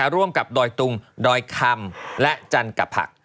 ร่วมกับดอยตุงดอยคำและจันกะผัก